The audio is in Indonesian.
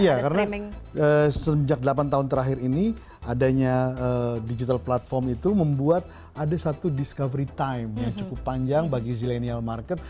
iya karena sejak delapan tahun terakhir ini adanya digital platform itu membuat ada satu discovery time yang cukup panjang bagi zillennial market